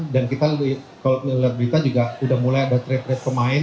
dan kita kalau melihat berita juga sudah mulai ada trade trade pemain